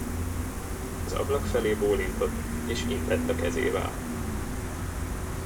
Az ablak felé bólintott, és intett a kezével.